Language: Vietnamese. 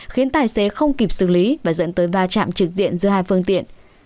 khiến tài xế không kịp xử lý và dẫn tới va chạm trực diện giữa hai phương tiện